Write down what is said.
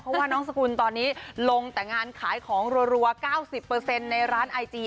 เพราะว่าน้องสกุลตอนนี้ลงแต่งานขายของรัว๙๐ในร้านไอจี